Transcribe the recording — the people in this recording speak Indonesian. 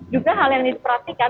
juga hal yang diperhatikan